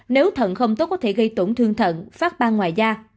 nếu thận không tốt có thể gây tổn thương thận phát bang ngoài da